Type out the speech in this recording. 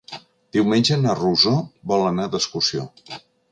Diumenge na Rosó vol anar d'excursió.